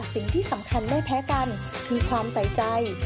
สิ่งที่สำคัญไม่แพ้กันคือความใส่ใจ